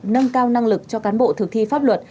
nâng cao năng lực cho cán bộ thực thi pháp luật